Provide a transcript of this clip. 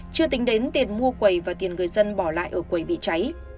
chưa tính đến tiền mua quầy và tiền người dân bỏ lại ở quầy bị cháy